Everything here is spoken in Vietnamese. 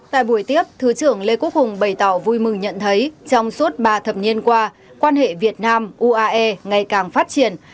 tại buổi tiếp thứ trưởng lê quốc hùng bày tỏ vui mừng nhận thấy trong suốt ba thập niên qua quan hệ việt nam uae ngày càng phát triển